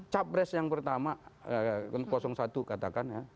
capres yang pertama satu katakan ya